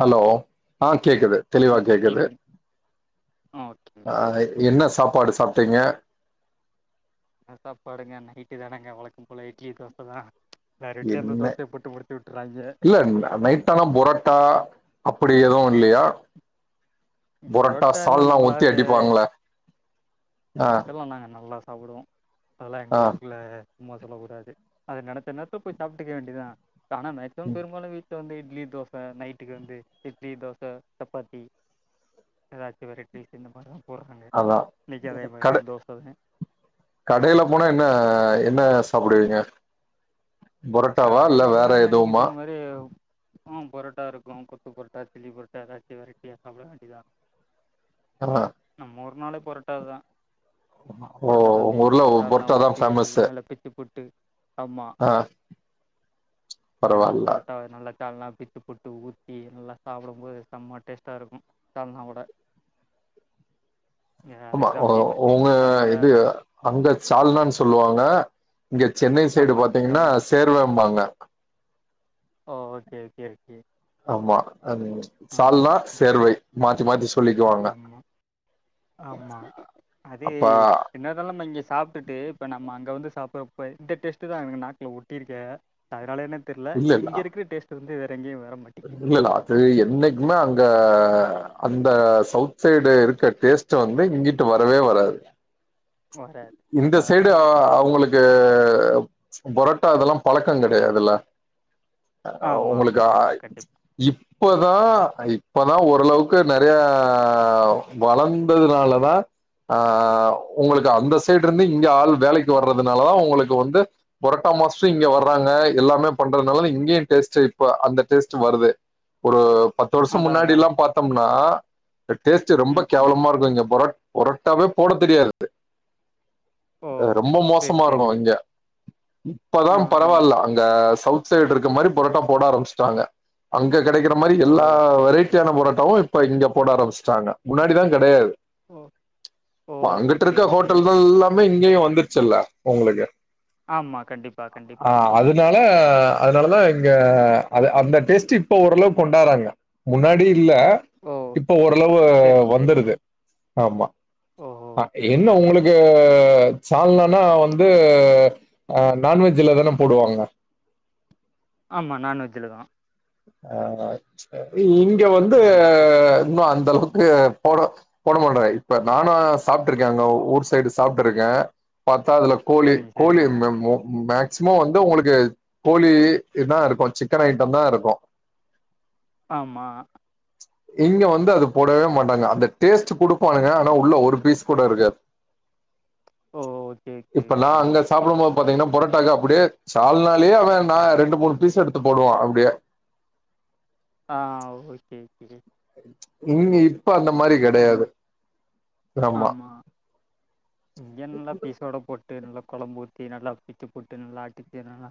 Hello ஆ கேக்குது ஆ தெளிவா வணக்கம் கேக்குது ஆ ஓகே ஆ என்ன சாப்பாடு சாப்ட்டீங்க சாப்பாடுங்க நைட்டு தானங்க வழக்கம் போல இட்லி தோச தா எல்லாரு வீட்லயு அந்த தோசைய போட்டு முடித்தி விட்டுறாய்ங்க ந்தா நைட் ட்டானா பொரட்டா அப்டி எதுவு இல்லையா பொரட்டா பொரோட்டா இன்னு சால்னா நம்மளா ஊத்தி அடிப்பாங்களே அட்டெல்லா நாங்க நல்லா சாப்பிடுவோ அதெல்லா எங்க ஆ ஊருக்குள்ள சும்மா சொல்லக்கூடாது அத நெனச்ச நேரத்துல போய் சாப்ட்டுக்க வேண்டியதா ஆனா மேக்சிமம் பெரும்பாலு வீட்ல வந்து இட்லி தோசை நைட்டுக்கு வந்து இட்லி தோசை சப்பாத்தி எதாச்சு வெற்றைடீஸ் இந்த மாதிரி தா போட்றாங்க அதா இன்னைக்கி அதேமாதிரி கட தான் தோசை தா கடையில போனா என்ன என்ன சாப்டுவீங்க பொரோட்டாவா இல்ல கடையில வேற போனா என்ன நீங்க எதுவுமா சொன்ன மாதிரி ஆ பொரோட்டா இருக்கு கொத்து பொரட்டா சில்லி பு பொரட்டா ஏதாச்சு வெரட்டியா சாப்பட வேண்டிதா ஆ நம்மூ ஒறு நாளே பொரட்டாதா ஓ புரோட்ட தா உங்க ஊர்ல மிச்சு சால்னா பொரோட்டா தா ஊத்தி ஃபேமஸ்ஸு நல்லா பிச்சு போட்டு அமா ஆ ஆமா பரவால்ல பொரோட்டாவ நல்லா சால்னா பிச்சி போட்டு ஊற்றி நல்லா சாப்பிடு போது செம்மா டேஸ்ட்டா இருக்கு சால்னாவோட இங்கே ஆமா அதுக்கு தான் ஃபேமஸு உங்க அதனால் இது அங்க சால்னான்னு சொல்லுவாங்க இங்க சென்னை சைடு ஆமாம் இங்கே பாத்தீங்கன்னா சால்னா சேர்வேம்பாங்க ஓ ஓகே ஓகே ஓகே ஆமா சால்னா சேர்வை மாத்தி மாத்தி சொல்லிக்குவாங்க ஆமா ஆமா அதே அப்பா என்னதாலா இங்க சாப் ட்டு இப்ப நம்ம அங்க வந்து சாப்பிடறப்ப இந்த டேஸ்ட் தா நாக்கல ஒட்டிருக்கே அதுனால என்ன தெர்ல இல்ல இல்ல இங்க இருகுற டேஸ்ட் வந்து வேற எங்கயு வர மாட்டு இல்ல அது என்னைக்குமே அங்க அந்த சவுத் சைடு இருக்க டேஸ்ட் வந்து இங்கிட்டு வரவே வராது வராது இந்த அதான் சைடு அதான் அவங்களுக்கு இங்க பொரோட்டா இதெல்லா பழக்கோ கிடையாதுல ஆமாம் உங்களுக்கு ஆமாம் ஆமாம் கண்டிப்பாக இப்பதா ஓரளவுக்கு இப்பதா ஓரளவுக்கு நிறைய வளந்ததுனால தான் அ உங்களுக்கு அந்த சைடு இருந்து இங்க ஆள் வேலைக்கு வர்றதுனாலதான் உங்களுக்கு வந்து பொரோட்டா மாஸ்டரு இங்க வர்றாங்க எல்லாமே பண்றதுனால இங்கேயும் டேஸ்ட் இப்ப அந்த டேஸ்ட் வருது ஒரு பத்து வருஷம் அதான் முன்னாடி அதான் எல்லாம் பாத்தோம்னா டேஸ்ட் ரொம்ப ம் ம் கேவலமா இருக்கும் இங்க பொரட் பொரோட்டாவே போட தெரியாது ஓ ரொம்ப சரி மோசமா சரி இருக்கும் இங்க ஆ இப்பதான் ஆ பரவாயில்ல அங்க சவுத் சைடு இருக்க மாரி பொரட்டா போட ஆரம்பிச்சட்டாங்க கெடைக்கிற மாரி ஓ எல்லா சூப்பர் சூப்பர் வெரைட்டியான பொரட்டாவும் இப்ப இங்க போட ஆரம்பிச்சிட்டாங்க முன்னாடிதான் கெடையாது ஓ ஓ அங்கிட்டு ஓகே இருக்க ஓகே ஹோட்டல் தான் எல்லாமே இங்கேயும் வந்துருச்சுல்ல உங்களுக்கு ஆமா கண்டிப்பா ஆ கண்டிப்பா அதனால அதனாலதான் இங்க அ அந்த டெஸ்ட் இப்ப ஓரளவு கொண்டாறாங்க முன்னாடி இல்ல ஓ இப்ப ஓரளவு சரிங்க சரிங்க வந்துருது ஆமா அ [unintelligible] என்ன ஓகே உங்களுக்கு சால்னனா வந்து அ நான்வெஜ்ஜில் தான போடுவாங்க ஆமா நான்வெஜ்ஜில் தா அ இங்க வந்து நான்வெஜ்ஜு இன்னும் அந்தளவு [unintelligible] போட போடமாட்டாங்க இப்ப நானும் சாப்ட்டு இருக்கேன் அங்க ஊர் சைடு சாப்ட்டு இருக்கேன் பாத்தா அதுல கோழி சரிங்க கோழி சரிங்க [unintelligible] [unintelligible] வந்து ஒனக்கு கோழி இததான் இருக்கும் சிக்கன் ஐட்டம் தான் இருக்கும் ஆமா இங்க வந்து அது போடவே மாட்டாங்க அந்த டேஸ்ட் கொடுப்பானுங்க ஆனா உள்ள ஒரு பீஸ் கூட இருக்காது ஓ ஓகே ஓகே இப்பல்லாம் ஓகே அங்க சாப்டும்போது பாத்தீங்கன்னா பொரட்டாக்கு அப்படியே சால்னாலே அவன் நான் ரெண்டு மூணு பீஸ் எடுத்து போடுவான் அப்படியே ஆ ஓகே ஓகே இங்க இப்ப அந்த மாரி கெடையாது ஆமா இங்க நல்லா பீசோட போட்டு நல்லா கொழம்பு ஊத்தி நல்லா பிச்சு போட்டு நல்லா அடிச்சு நல்லா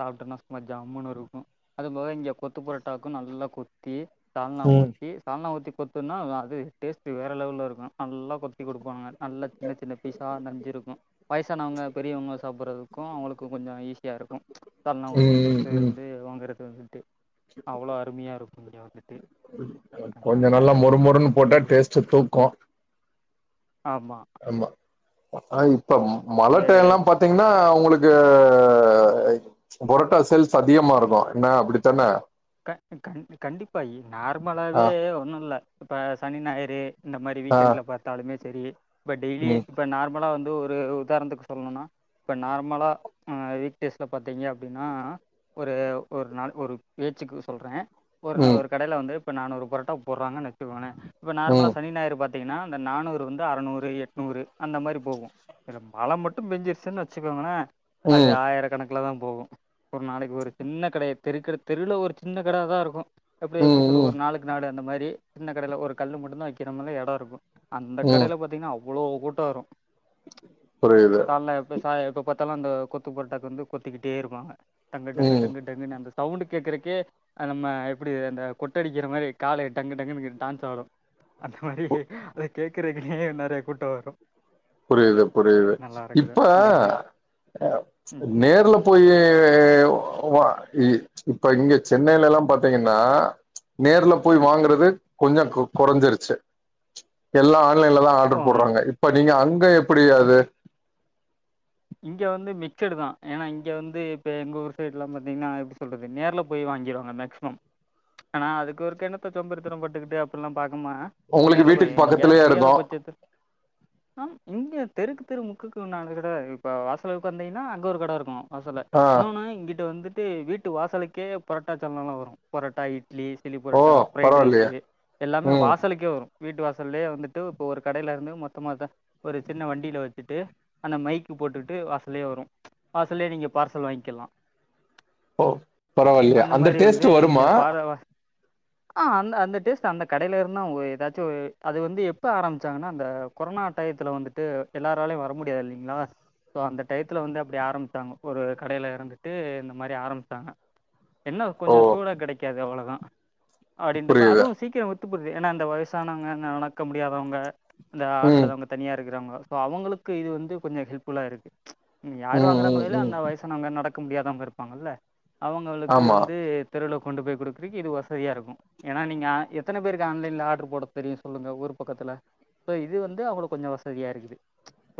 சாப்ட்டோம்னா சும்மா ஜம்ன்னு இருக்கும் அதுபோக இங்க கொத்து பொரட்டாக்கும் நல்லா கொத்தி சால்னா ம் ஊத்தி சால்னா ஊத்தி கொத்துனா அ அது டேஸ்ட்டு வேற லெவல்ல இருக்கும் நல்லா கொத்தி குடுப்பாங்க நல்ல சின்ன சின்ன சார் நஞ்சிருக்கும் வயசானவங்க பெரியவங்க சாப்ட்றதுக்கும் அவங்களுக்கு கொஞ்சோ ஈஸியாக இருக்கும் சால்னா ஊத்தி ம் கொத்து ம் வந்து வாங்கறது வந்துட்டு அவ்ளோ அருமையா இருக்கு இங்க கொஞ்ச நல்லா மொறு மொறு போட்டா இங்கே டேஸ்ட் தூக்கும் ஆமா அம்மா ஆனா இப்ப ம மழ இங்கே டைம்ல்லா பாத்த பாத்தீங்கன்னா உங்களுக்கு பொரட்டா சேல்ஸ் அதிகமா இருக்கும் என்ன அப்டித்தான கட் கட் கண்டிப்பாயே ஆ நார்மலாவவே ஒன்னு இல்ல இப்ப சனி ஞாயிறு இந்த மாரி ஆ வீக்கெண்ட்ல பாத்தாலுமே செரி இப்போ டெய்லியு ம் இப்போ நார்மலா வந்து ஒரு உதாணத்துக்கு சொல்லணும்னா இப்ப நார்மலா அ வீக்டேஸில பாத்தீங்க அப்டின்னா ஒரு ஒரு நாள் ஒரு பேச்சுக்கு சொல்றே ஒரு ம் ஒரு கடயில வந்து இப்ப நானுரு பொரட்டா போடுறாங்கன்னு நனச்சிகோங்களே இப்ப நார்மலா ம் சனி ஞாயிறு பாத்தீங்கன்னா அந்த நானூறு வந்து அரநூறு எட்நூறு அந்த மாரி போகும் இல்ல மழை மட்டு பெஞ்சிருச்சுன்னு வெச்சிக்கோங்கள அது ம் ஆயிரக்கணக்கல தா போகோ ஒரு நாளைக்கு ஒரு சின்ன கடைய தெருகட தெருவுல ஒரு சின்ன கட தா இருக்கோ எப்டி எப்டி ம் சொல்ல ம் ஒரு நாளைக்கி நாடு அந்த மாரி சின்ன கடையில ஒரு கல்லு மட்டு தா வெக்கிற மாரி ஒரு எடோ இருக்கு அந்த ம் கடயில பாத்தீங்கன்னா அவ்ளோ அவ்ளோ கூட்டோ வரோ புரியுது ஃபுல்லா எப்ப சாய் எப்ப பாதாலு அந்த கொத்து பரோட்டாக்கு வந்து கொத்திக்கிட்டே இருப்பாங்க டங்கு டங்கு ம் டங்கு டங்குன்னு அந்த சவுண்டுக் கேக்கறக்கே நம்ம எப்புடி அந்த கொட்டடிக்கிற மாரி கால் டங்கு டங்கு டான்ஸ் ஆடு அந்த மாரி அத கேக்குறக்குன்னோ நறைய கூட்டோ வரு புரியுது புரியுது இப்ப இங்கிட்டு அ ம் நேர்ல போயி வா இ இப்ப இங்க சென்னையிலலா பாத்தீங்கன்னா நேர்ல போய் ம் வாங்கறது கொஞ்சோ கொ கொறைஞ்சிருச்சி எல்லா ஆன்லைன்ல தா ஓ ஆர்டர் ம் போட்றாங்க இப்ப நீங்க அங்க எப்டி ஆ அது இங்க வந்து மிச்சடு தா ஏனா இங்க வந்து இப்ப எங்க ஊர் சைட்லா பாத்தீங்கன்னா எப்டி சொல்றது நேர்ல போய் வாங்கிடுவாங்க மேக்சி ம் ஆனா அதுக்கு ஒருக்க என்னத்த சோம்பேறித்தனோ பட்டுக்கிட்டு அப்டில்லா பாக்குமா உங்களுக்கு நேர்ல போயி வீட்டுக்கு எங்கயாது பக்கத்துலயே முடியாத இருக்கும் பச்சத்துல அம் இங்க தெருக்கு தெரு முக்குக்கு நாலு கட இப்போ வாசலுக்கு வந்தீங்கன்னா அங்க ஒரு கட இருக்கு வாசல ஆ இன்னொன்னு இங்கிட்ட வந்துட்டு வீட்டு வாசலுக்கே பரோட்டா சால்னாலா வரு பரோட்டா இட்லிஸ் சில்லி ஓ பரோட்டா ஃப்ரைட் பரவாயில்லையே ரைஸ்சே எல்லாமே ம் வாசலுக்கே வரோ வீட்டு வாசல்லோயே வந்துட்டு இப்போ ஒரு கடையில இருந்து மொத்மாதா அதா ஒரு சின்ன வண்டியில வெச்சிட்டு அந்த மைக் கு போட்டுட்டு வாசல்லைலே வரு வாசல்லைலே நீங்க பார்சல் வாங்கிக்கலா ஓ பரவாயில்லையா அந்த மாரி டேஸ்ட் வந்து வருமா இங்க பார வா ஆ அந்த அந்த டேஸ்ட் அந்த கடையில இருந்தா ஏதாச்சி ஒரு அது வந்து எப்ப ஆரம்பிச்சாங்கன்னா அந்த கொரோனா டையத்துல வந்துட்டு எல்லாராலையு வர முடியாது இல்லைங்ளா சோ அந்த டயத்துல வந்து அப்டி ஆரம்பிச்சாங்கோ ஒரு கடையில இருந்துட்டு இந்த மாரி ஆரம்பிச்சாங்க என்ன ஓ கொஞ்சோ சூடா கடைக்காது அவ்ளோதா அப்டின்றப்ப புரியுது அதுவு ஓகே வித் வித்துப்புர்து ஏனா அந்த வயசானவங்க நடக்க முடியாதவங்க அந்த ஆள் ம் இல்லாதவங்க தனியா இருக்கிறவங்க அவுங்களுக்கு இது வந்து கொஞ்சோ ஹெல்ப் ஃபுல்லா இருக்கு ம் யாரு ம் வாங்கறாங்களோ இல்லையோ ம் அந்த வயசு னவங்க நடக்க முடியாதவங்க இருப்பாங்கல்ல அவுங்களுக்கு ஆமா வந்து தெருவுல கொண்டு போய் குடுக்கிறக்கி இது வசதியா இருக்கோ என்னா நீங்க எத்தன பேருக்கு ஆன்லைன்ல ஆர்டரு போட தெரியு சொல்லுங்க ஊரு பக்கத்துல சோ இது வந்து அவுங்களுக்கு கொஞ்சோ வசதியா இருக்குது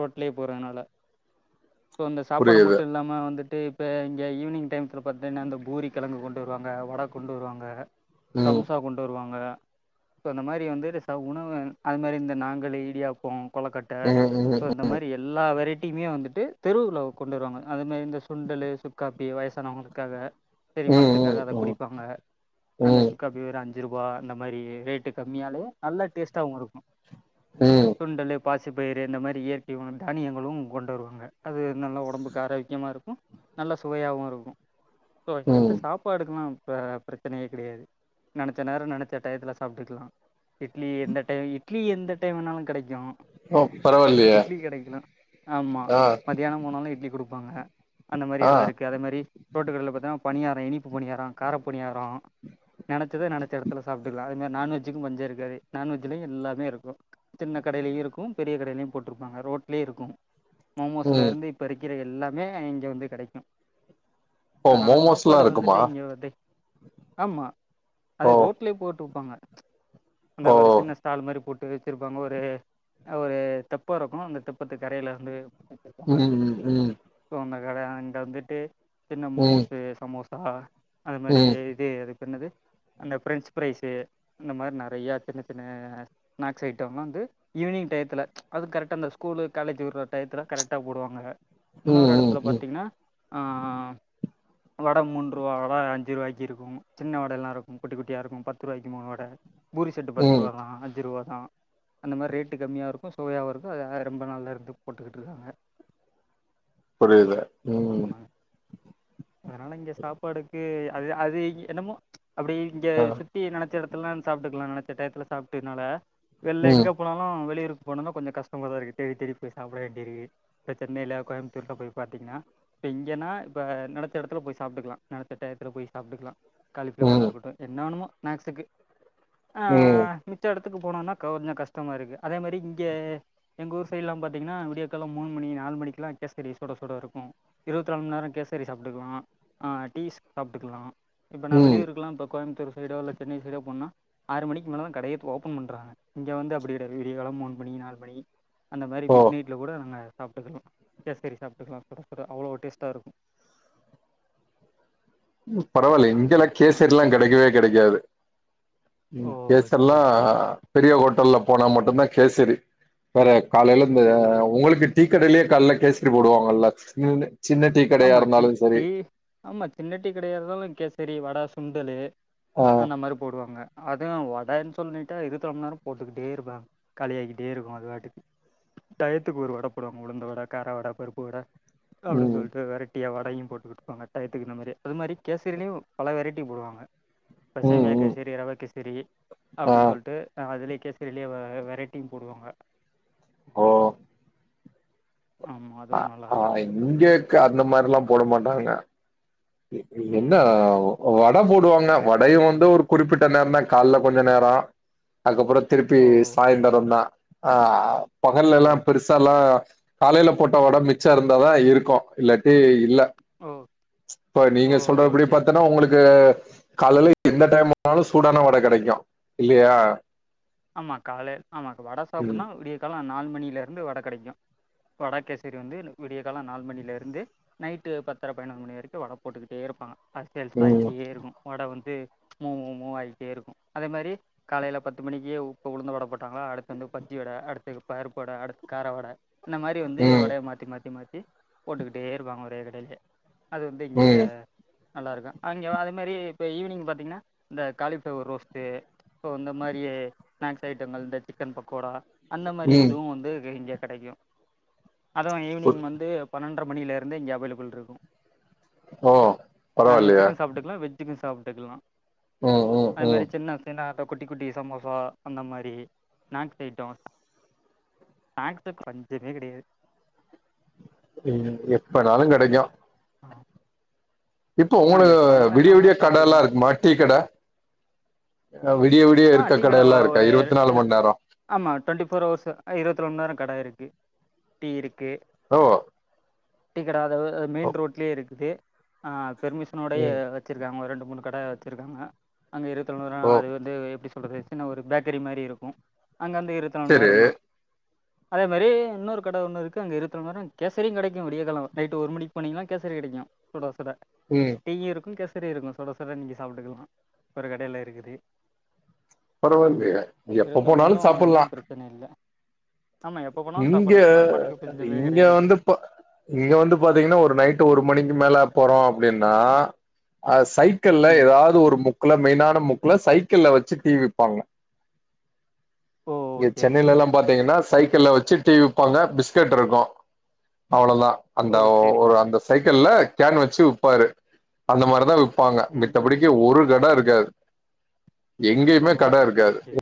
ரோட்லயே போறதுனால சோ இந்த சாப்பாடு புரியுது மட்டு இல்லாம வந்துட்டு இப்ப இங்க ஈவ்னிங் டைமத்துல பாத்திங்னா அந்த பூரி கெழங்கு கொண்டு வருவாங்க வட கொண்டு வருவாங்க ம் சம்முசா கொண்டு வருவாங்க சோ அந்த மாரி வந்து ச உணவு அது மாரி இந்த நாங்களே இடியாப்போ கொளக்கட்ட ம் ம் சோ இந்த மாரி இப்டி எல்லா வெரைட்டி டீயுமே வந்துட்டு தெருவுல கொண்டு வருவாங்க அது மாரி இந்த சுண்டலு சுக்காப்பி வயசானவங்களுக்காக ம் செரிமானத்துக்காக அத ம் குடிப்பாங்க ம் அந்த ம் சுக்காப்பி வெரு அஞ்சு ரூபா இந்த மாரி ரேட்டு கம்மியாலே நல்லா டேஸ்ட்டாவு இருக்கு ம் சுண்டலு பாசிபயறு இந்த மாரி இயற்கை உணவு தானியங்களும் கொண்டு வருவாங்க அது நல்லா ஒடம்புக்கு ஆரோக்கியமா இருக்கு நல்ல சுவையாவு இருக்கு சோ இங்கவந்து ம் சாப்பாடுக்குலா பெரச்சனையே கெடயாது நெனச்ச நேரோ நெனச்ச டயத்துல சாப்டுக்கலா இட்லி எந்த டை இட்லீ எந்த டைம் வேனாலு கெடைக்கு ஓ பரவாயில்லயே ஆம்மா மதியானோ போனாலூ இட்லி கொடுப்பாங்க அந்த மாறி ஆ எடோ இருக்கு அதே மாறி ரோட்டுகடைல பாத்தன பணியாரோ இனிப்பு பணியாரோ கார பணியாரோ நெனச்சத நெனச்ச எடத்துல சாப்டுக்கலா அது மாறி நான்வெஜ்ஜுக்கு பஞ்ஞோ இருகாது நான்வஜ்லயூ எல்லாமேயிருக்கு சின்ன கடைலயூ இருக்கு பெரிய கடைலையூ போட்ருப்பாங்க ரோட்லேயு இருக்கு ம் மோமோஸ்ஸுலருந்து இப்போ இரிக்கிற எல்லாமே இங்க வந்து கெடைக்கு ஓ அதனால மோமோஸ்லாம் சாப்பாடுக்கு இருக்குமா வந்துட்டு இங்கதை ஆம்மா அது ஓ ரோட்லே போட்டு வப்பாங்க அந்த ஓ ஒரு சின்ன தால் மாறி போட்டு வச்சுருப்பாங்க ஒரூ ஒரு தெப்பருக்ககு அந்த தெப்பத்து கரைல வந்து ம் ஸோ அந்த கட அங்க வந்துட்டு சின்ன ம் மோமோஸு சமோசா அது மாறி ம் இ அதுக்கு என்னது அந்த பிரெஞ்ச்சு பிரரைஸ்ஸு இந்த மாறி நெறையா சின்ன சின்ன ஸ்னாக்ஸு ஐட்டம்லா வந்து ஈவினிங் டயத்துல ச் அதூ கரெக்டா அந்த ஸ்கூலு காலேஜீ வுட்ற டயத்துல கரெக்டா போடுவாங்க ம் இன்னொரு ம் எடத்துல ம் பாத்தீங்கனா ஆ வட மூன்று ரூவா வட அஞ்சுருவாய்க்கு இருக்கு சின்ன வடல்லா இருக்கூ குட்டி குட்டியா இருக்கூ பத்து ரூவாய்க்கு மூணு வட பூரி செட்டு பத்து ம் ரூவா தா அஞ்சு ரூவா தா அந்த மாரி ரேட்டு கம்மியா இருக்கு சுவையாவு இருக்கு அத ரொம்ப நல்லா இருந்து போட்டுக்ட்டு இருக்காங்க புரியுது ம் ஆமாங்க அதனால இங்க சாப்பாடுக்கு அது அது என்னமோ ச் அப்டி இங்க ஆ சு டீ நெனச்ச எடத்துலா சாப்ட்டுக்கலா நெனச்ச டைத்துல சாப்ட்டுனால வெள்ல எங்க ம் இப்பனாலூ வெளியூக்கு போனான கொஞ்சோ கஷ்டமா தா இருக்கு போய் சாப்பிடாடி இப்ப சென்னைல கோயம்பத்தூர்ல போய் பாத்தீங்ன்னா இப்ப இங்கனா இப்ப நெனைச்ச எடத்துல போய் சாப்ட்டுக்கலா நெனைச்ச டயத்துல போய் சாப்ட்டுக்கலா காலிபிளவர்ஆ ம் இருக்கட்டு என்ன வேணுமோ நேக்ஸுக்கு ஆ ம் மிச்ச எடத்துக்கு போனோனா கொஞ்சொ கஷ்டமா இருக்கு அதே மாறி இங்க எங்க ஊரு சைட்லா பாத்த திங்ன்னா விடிய கால மூணு மணி நாலு மணிக்கெல்லாகேசரி சுட சுட இருக்கு இருபத்தி நாலு மணி நேரகேசரி சாப்ட்டுக்கலாஹ் டீஸ் சாப்ட்டுக்கலா இப்போ நா ம் வெளியூருக்கலா இப்ப கோயம்பத்தூரு சைடோ இல்லன்ன சென்னை சைடோ போனா ஆறு மணிக்கு மேல தா கடையே இப்ப ஓபன் பண்றாக இங்க வந்து அப்டி கெடையாது வீடியகாலோ மூனு மணி நாலுமணி அந்த மாறி ஓ நீட்டுல கூட நாங்க சாப்ட்டுக்கலா கேசரி சாப்ட்டுக்கலா சுட சுட அவ்ளோ டேஸ்ட்டா இருக்கு ம் பரவாயில்லயே ஆமா இங்கல்லா ஆமா கேசரில்லா கெடைக்கவே கெடைக்காது ஓ ம் ஓகே கேசர்ல்லா ஓகே பெரிய ஹோட்டல்ல போனா மட்டும்தா கேசடி வேற காலைல இந்த ஓ உங்களுக்கு டீக்கடைலயே காலல கேசரி போடுவாங்கல்ல சின்ன டீ கடையா ஆமா டீ இருந்தாலூ சரி டீ ஆமா தின்னட்டி கடையா இருந்தாலு கேசரி வட சுண்டலு ஆ அந்த மாறி போடுவாங்க அது வடன்னு சொல்லிட்டா இருத்து நாலுமணிநேரமூ போட்டுக்கிட்டே இருப்பே காளியாயிக்கிட்டே இருக்கு அது வாட்டுக்கு டயத்துக்கு ஒரு வட போடுவாங்க உளுந்த வட கார வட பருப்பு வட அப்டி ம் சொல் வெரைட்டியா வடயும் போட்டு விட்டுவாங்க டைத்துக்கு த்த மாரி அது மாதிரி கேசரிலேயும் பல வெரைட்டி போடுவாங்க ம் பசமியக்கு ம் கேசரி ரவைக்கு கேசரி ஆ அப்டின்னு சொல்லிட்டு அதுலக்கே சரிலே வெரைட்டி போடுவாங்க ஓ ஆமா அதுவு நல்லாயிருக்கு இங்கேக்கு அந்த மாரில்லா போட மாட்டாங்க எ ம். என்னாவு வட போடுவாங்க வடையு வந்து ஒரு குறிப்பிட்ட நேரந்தா கால்ல கொஞ்ச நேரோ அதுக்கப்பறோ திருப்பி ஓகே. சாய்ந்தரோந்தா தா ஆ ஓ பகல்ல எல்லா ஓ பெருசா எல்லா காலையில போட்ட வட மிச்சோ இருந்தாதா இருக்கு இல்லாட்டி இல்ல ஓ இப்ப நீங்க சொல்றப்புடி ஓகே, ஓகே. பாத்தேன்னா உங்களுக்கு காலையில எந்த டைம் வந்தாலு சூடான வட கெடைக்கு இல்லியா ஆமா காலே ஆமா வட ம் சாப்புட்னா விடிய காலோ நாலு மணியில இருந்து வட கெடைக்கு வட கேசரி வந்து விடிய காலோ நாலு மணியில இருந்து நைட்டு பத்தர பதுனோரு மணி வரைக்கு வட போட்டுக்கிட்டே இருப்பாங்க அது சேல்ஸ் ம் ஆயிகிட்டே இருக்கும் வட வந்து மூ மூ ஆகிட்டே இருக்கும் அதே மாரி காலையில பத்து மணிக் கே உ இப்ப உளுந்து வட போட்டாங்களா அடுத்து வந்து பஜ்ஜி வட அடுத்து பருப்பு வட அடுத்து கார வட இந்த மாரி வந்து ம் வடைய மாத்தி மாத்தி மாத்தி போட்டுக்கிட்டே இருப்பாங்க ஒரே கடையிலே அது வந்து இங்க வே ம் நல்லா இருக்கு அங்கே அது மாரி இப்போ ஈவினிங் பாத்தீங்கன்னா இந்த காலிஃப்ளவர் ரோஸ்ட்டு இப்ப வந்த மாரியே ஸ்நாக்ஸ் ஐட்டங்கள் இந்த சிக்கன் பக்கோடா அந்த மாரி ம் இதுவு வந்து கெட இங்க கெடைக்கு அதுவு ஈவினிங் வந்து பன்னெண்டர மணியில இருந்து இங்கே அவெலபுள் இருக்கு ஓ நான்வெஜ் பரவாயில்லையே சிக்கன் சாப்ட்ருக்கலா வெஜ் ஜுக்கு சாப்ட்டுக்கலா ம் ம் அதே மாரி ம் சின்ன சின்ன அந்த குட்டி குட்டி சமோசா அந்த மாரி ஸ்நாக்ஸ் அயிட்டோ ஸ்நாக்ஸு பஞ்சமே கெடையாது ம் எப்பனாலு கெடைக்கு ஆ இப்ப எப்போ உங்களுக்கு வேணாலும் என்ன விடிய விடிய வேணாலும் கட எல்லா சாப்பிட்டுக்கலாம் இருக்குமா டீ கட அ விடியோ விடியோ இருக்க கடையெல்லா இருக்கா இருவத்துனாலு மணி நேரோ ஆமா டுவெண்ட்டி ஃபோர் ஹவர்ஸ்சு அ இருவத்து நால் மண் நேரோ கட இருக்கு டீ இருக்கு ஓ வா டீ கட அதாவது மெயின் ரோட்லயே இருக்குது ஆ பெர்மிஷனோடையே ம் வச்சுருக்காங்க ஒரு ரெண்டு மூணு கடை வச்சிருக்காங்க அங்க இருவத்துனாலு மண் நேரோ ஓ ஆளு வந்து எப்டி சொல்றது சின்ன ஒரு பேக்கிரி மாரி இருக்கு அங்க வந்து இருவத்து நாலு மண் செரி நேரோந்தா அதே மாரி இன்னொரு கட ஒன்னு இருக்கு அங்க இருவத்து நாலு மண் நேரோ கேசரியு கெடைக்கு விடியக்காலவ நைட்டு ஒரு மணிக்கு போனீங்கன்னா கேசரி கெடைக்கு சுட சுட ம் டியு இருக்கும் கேசரி இருக்கும் சுட சுட நீங்க சாப்புட்டுக்கலா ஒரு கடையில இருக்குது பரவாயில்லயே எப்ப போனாலு சாப்புட்லா ப்ரச்சனை இல்லை ஆமா நீங்க எப்ப போனாலு சாப்பாடுங்க சாப்பாடுக்கு பஞ்சமே கெடையாது இப்ப இங்க வந்து பாத்தீங்கன்னா ஒரு நைட்டு் ஒரு மணிக்கு மேல போறோ அப்டின்னா அது சைவ் க்கள்ல ம் எதாவது ஒரு முக்குல மெயினான முக்குல சைக்கிள்ல வச்சு டீ விப்பாங்க ஓ இங்க ஓகே சென்னையில எல்லா ஓகே பாத்தீங்கென்னா க்கிள்ல வச்சு டீ விப்பாங்க பிஸ்கட்ருக்கு அவ்ளோதா அந்த ஓ சரிங்க ஒரு அந்த சரி சைக்கிள்ல கேன் வச்சு விப்பாரு அந்த மாரி தா விப் ங்க ம் ம் மித்தபடிக்கி ஒரு கட இருக்காது ஓ எங்கேயுமே கட ஓகே ஓகே இருக்காது